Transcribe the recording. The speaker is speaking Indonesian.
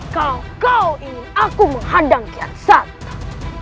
kau kau ingin aku menghadang kian santan